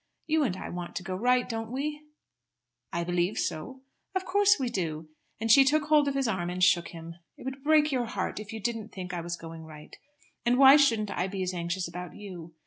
You and I want to go right, don't we?" "I believe so." "Of course we do," and she took hold of his arm and shook him. "It would break your heart if you didn't think I was going right, and why shouldn't I be as anxious about you?